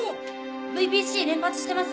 ＶＰＣ連発してます。